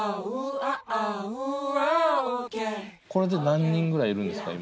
これで何人ぐらいいるんですか？